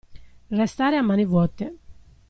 Restare a mani vuote.